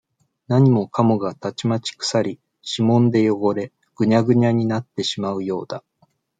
何もかもがたちまち腐り、指紋でよごれ、ぐにゃぐにゃになってしまうようだ。